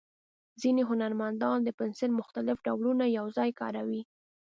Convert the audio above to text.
ځینې هنرمندان د پنسل مختلف ډولونه یو ځای کاروي.